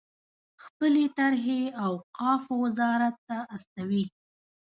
خپلې طرحې اوقافو وزارت ته استوي.